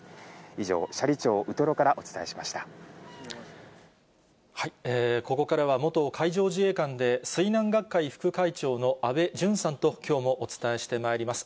以上、ここからは元海上自衛官で、水難学会副会長の安倍淳さんと、きょうもお伝えしてまいります。